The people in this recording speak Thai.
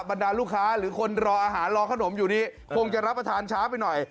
บรรดาลูกค้าหรือคนรออาหารรอขนมอยู่นี้คงจะรับประทานช้าไปหน่อย